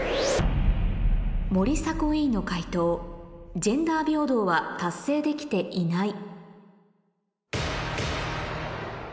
森迫永依の解答「ジェンダー平等」は達成できていない